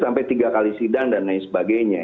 sampai tiga kali sidang dan lain sebagainya